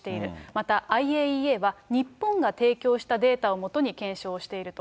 また、ＩＡＥＡは、日本が提供したデータを基に検証をしていると。